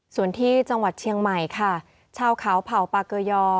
ส่วนที่จังหวัดเชียงใหม่ค่ะชาวเขาเผ่าปาเกยอ